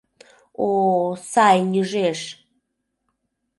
О-о, сай нӱжеш!